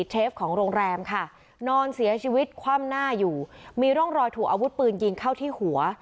เชฟของโรงแรมค่ะนอนเสียชีวิตคว่ำหน้าอยู่มีร่องรอยถูกอาวุธปืนยิงเข้าที่หัว